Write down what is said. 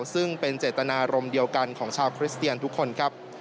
ซึ่งเป็นเจตนารมณ์เดียวกันของชาวคริสเตียนทุกคนครับ